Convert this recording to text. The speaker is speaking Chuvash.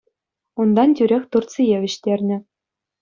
Унтан тӳрех Турцие вӗҫтернӗ.